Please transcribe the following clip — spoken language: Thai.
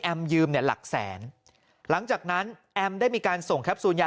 ยืมเนี่ยหลักแสนหลังจากนั้นแอมได้มีการส่งแคปซูลยา